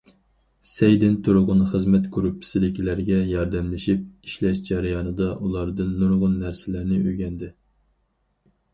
سەيدىن تۇرغۇن خىزمەت گۇرۇپپىسىدىكىلەرگە ياردەملىشىپ ئىشلەش جەريانىدا ئۇلاردىن نۇرغۇن نەرسىلەرنى ئۆگەندى.